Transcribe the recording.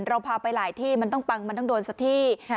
เราพาไปหลายที่มันต้องปังมันต้องโดนสักที่